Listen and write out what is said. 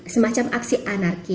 semacam aksi anarkis